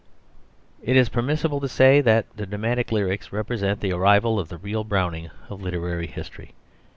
It is permissible to say that the Dramatic Lyrics represent the arrival of the real Browning of literary history.